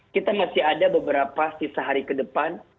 kita masih ada beberapa sisa hari ke depan